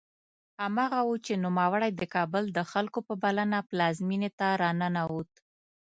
هماغه و چې نوموړی د کابل د خلکو په بلنه پلازمېنې ته راننوت.